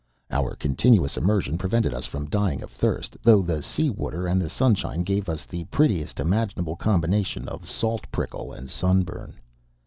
Our continuous immersion prevented us from dying of thirst, though the sea water and the sunshine gave us the prettiest imaginable combination of salt pickle and sunburn.